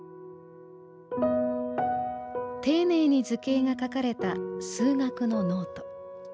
丁寧に図形が描かれた数学のノート。